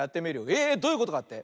えどういうことかって？